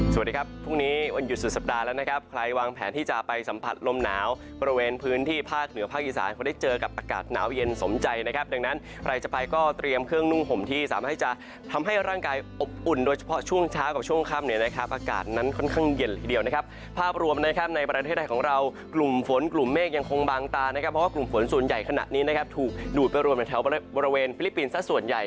สวัสดีครับพรุ่งนี้วันหยุดสุดสัปดาห์แล้วนะครับใครวางแผนที่จะไปสัมผัสลมหนาวบริเวณพื้นที่ภาคเหนือภาคอีสานก็ได้เจอกับอากาศหนาวเย็นสมใจนะครับดังนั้นใครจะไปก็เตรียมเครื่องนุ่มห่มที่สามารถให้จะทำให้ร่างกายอบอุ่นโดยเฉพาะช่วงเช้ากับช่วงค่ำเนียนนะครับอากาศนั้นค่อนข้างเย็